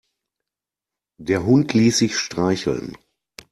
Der Hund ließ sich streicheln.